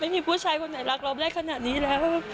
ไม่มีผู้ชายคนไหนรักเราได้ขนาดนี้แล้ว